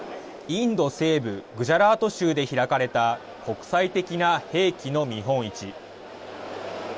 インド西部グジャラート州で開かれた国際的な兵器の見本市。